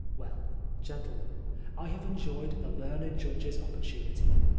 Well, gentlemen, I have enjoyed the leamedjudge^s oppor tunity.